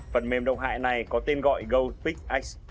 phần mềm độc hại này có tên gọi gopixx